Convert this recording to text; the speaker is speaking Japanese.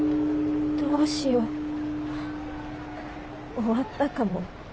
どうしよう終わったかも私。